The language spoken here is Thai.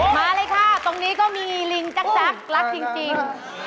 มาเลยค่ะตรงนี้ก็มีลิงจักรรักจริง